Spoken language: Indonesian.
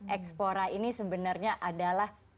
expora ini sebenarnya adalah